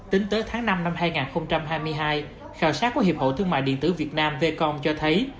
tính tới tháng năm năm hai nghìn hai mươi hai khảo sát của hiệp hội thương mại điện tử việt nam vcom cho thấy